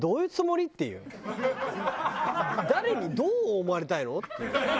誰にどう思われたいの？っていう。